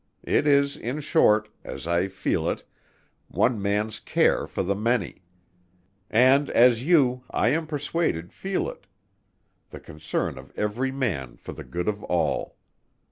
It is, in short, as I feel it, one man's care for the many: and, as you I am persuaded feel it, the concern of every man for the good of all.